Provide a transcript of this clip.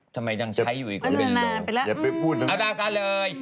ทำไมยังใช้อยู่อีกวันเมื่อนานไปแล้วอืมเอานะเลย